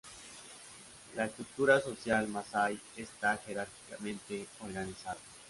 La estructura social masai está jerárquicamente organizada.